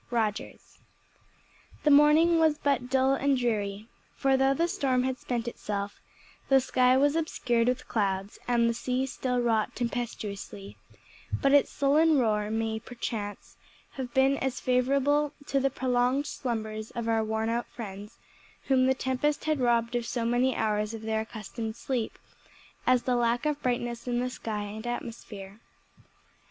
Rogers. The morning was but dull and dreary, for though the storm had spent itself, the sky was obscured with clouds and the sea still wrought tempestuously; but its sullen roar may, perchance, have been as favorable to the prolonged slumbers of our worn out friends, whom the tempest had robbed of so many hours of their accustomed sleep, as the lack of brightness in the sky and atmosphere.